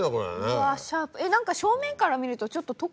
うわシャープ。